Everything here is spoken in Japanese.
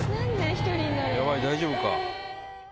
やばい、大丈夫か？